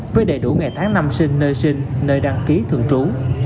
với đầy đủ ngày tháng năm sinh nơi sinh nơi đăng ký thường trú